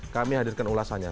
kami hadirkan ulasannya